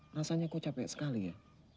rasanya kok capek sekali ya